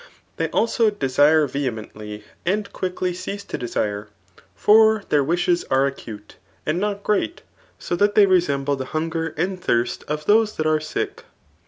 They also desire vehemently, and quickly cease to desire. For their wishes are acute, and not great, so that they resemUe the hunger and thirst of those that are sick.